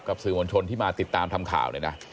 กับสื่อวัญชนที่มาติดตามทำข่าวเลยนะ